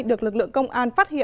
được lực lượng công an phát hiện